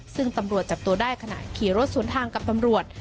ซึ่งตำรวจจับตัวได้ขณะขี่รถสวนทางกับตำรวจ